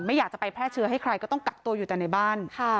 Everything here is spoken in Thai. อยากจะไปแพร่เชื้อให้ใครก็ต้องกักตัวอยู่แต่ในบ้าน